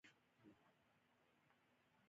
مقاله نورو بحثونو ادامه کې موضوع مطرح کوي.